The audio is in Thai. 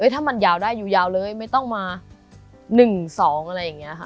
ถ้ามันยาวได้อยู่ยาวเลยไม่ต้องมา๑๒อะไรอย่างนี้ค่ะ